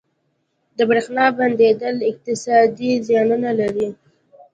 • د برېښنا بندیدل اقتصادي زیانونه لري.